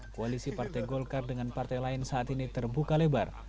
koalisi partai golkar dengan partai lain saat ini terbuka lebar